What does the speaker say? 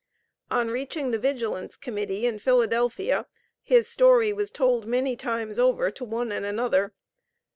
On reaching the Vigilance Committee in Philadelphia, his story was told many times over to one and another.